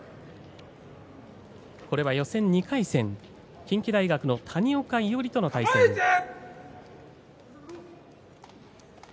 予選２回戦、近畿大学の谷岡伊織との対戦です。